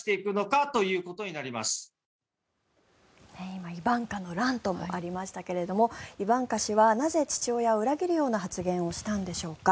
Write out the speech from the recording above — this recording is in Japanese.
今、イバンカの乱ともありましたけれどもイバンカ氏はなぜ父親を裏切るような発言をしたんでしょうか。